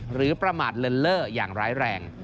ประมาทเลินเล่ออย่างร้ายแรง